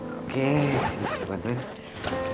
oke sini bantuin